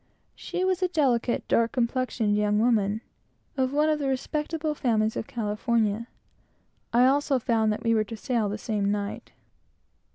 She was a delicate, dark complexioned young woman, and of one of the best families in California. I also found that we were to sail the same night.